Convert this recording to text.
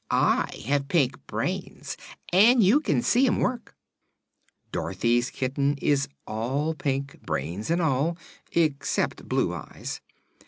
I have pink brains, and you can see 'em work." "Dorothy's kitten is all pink brains and all except blue eyes.